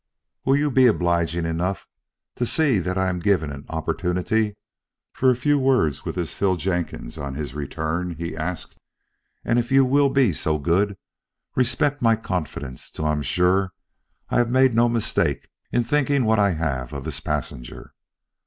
"Will you be obliging enough to see that I'm given an opportunity for a few words with this Phil Jenkins on his return?" he asked. "And if you will be so good, respect my confidence till I am sure I have made no mistake in thinking what I have of his passenger."